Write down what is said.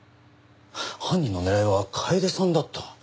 犯人の狙いは楓さんだった？